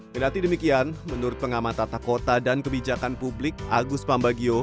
berarti demikian menurut pengamat tata kota dan kebijakan publik agus pambagio